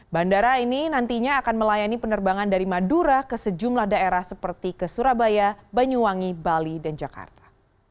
bandara ini nantinya akan melayani penerbangan dari madura ke sejumlah daerah seperti ke surabaya banyuwangi bali dan jakarta